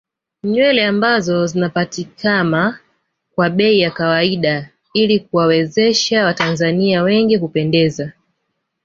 Nywele ambazo zinapatikama kwa bei ya kawaida ili kuwawezesha watanzania wengi kupendeza